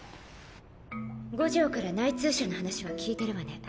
五条から内通者の話は聞いてるわね。